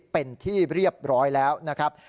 เป็นที่เรียบร้อยแล้วนะครับ